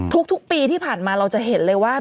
ทุกปีที่ผ่านมาเราจะเห็นเลยว่า